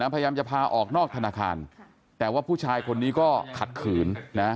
พยายามจะพาออกนอกธนาคารแต่ว่าผู้ชายคนนี้ก็ขัดขืนนะ